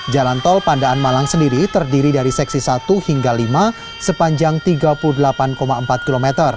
jalan tol pandaan malang sendiri terdiri dari seksi satu hingga lima sepanjang tiga puluh delapan empat km